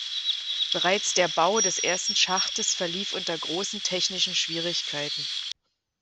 Bereits der Bau des ersten Schachtes verlief unter großen technischen Schwierigkeiten.